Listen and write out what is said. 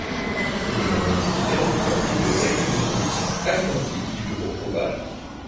Est également exposé dans plusieurs bibliothèques une reproduction à l'identique du Bureau ovale.